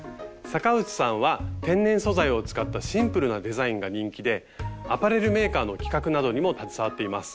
坂内さんは天然素材を使ったシンプルなデザインが人気でアパレルメーカーの企画などにも携わっています。